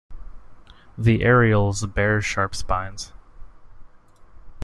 The areoles bear sharp spines.